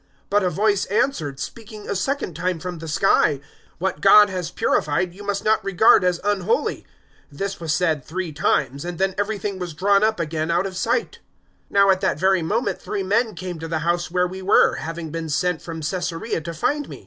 011:009 "But a voice answered, speaking a second time from the sky, "`What God has purified, you must not regard as unholy.' 011:010 "This was said three times, and then everything was drawn up again out of sight. 011:011 "Now at that very moment three men came to the house where we were, having been sent from Caesarea to find me.